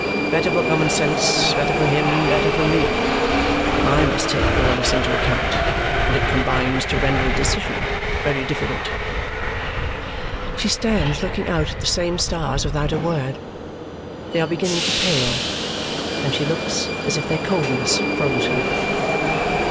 Better for common sense, better for him, better for me. I must take all this into account, and it combines to render a decision very difficult." She stands looking out at the same stars without a word. They are beginning to pale, and she looks as if their coldness froze her.